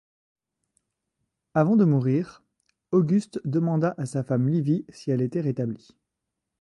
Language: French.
Avant de mourir, Auguste demanda à sa femme Livie si elle était rétablie.